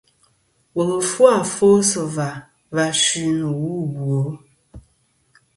Wùl fu afo sɨ̀ và va suy nɨ̀ wu ɨ bwo.